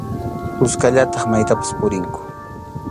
Kuskallataq maytapas purinku.